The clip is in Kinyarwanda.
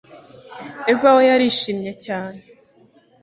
Eva we yarishimye cyane